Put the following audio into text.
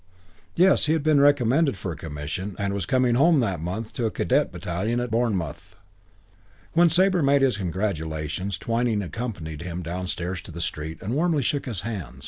Yes, he had been recommended for a commission and was coming home that month to a Cadet battalion at Bournemouth. When Sabre made his congratulations Twyning accompanied him downstairs to the street and warmly shook his hand.